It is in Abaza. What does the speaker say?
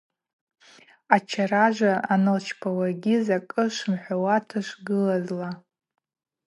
Ачаражвра анылчпауагьи закӏы швымхӏвауата швгылазла.